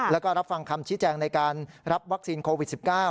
แล้วก็รับฟังคำชี้แจงในการรับวัคซีนโควิด๑๙